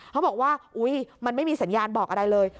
เขาบอกว่าอุ๊ยมันไม่มีสัญญาณบอกอะไรเลย